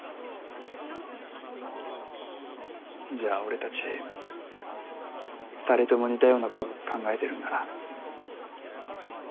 じゃあ俺たち２人とも似たようなこと考えてるんだな。